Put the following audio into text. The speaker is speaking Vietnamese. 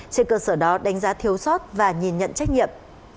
trên cơ sở đó đánh giá thiếu sót và nhìn nhận trách nhiệm